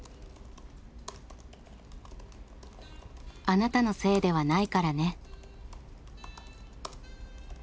「あなたのせいではないからね」。